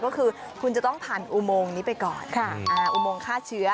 ก็คือคุณจะต้องผ่านอุโมงนี้ไปก่อนอุโมงฆ่าเชื้อ